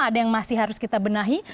ada yang masih harus kita benahi